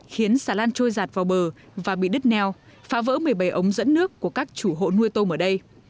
khiến xà lan trôi giạt vào bờ và bị đứt neo phá vỡ một mươi bảy ống dẫn nước của các chủ hộ nuôi tôm ở đây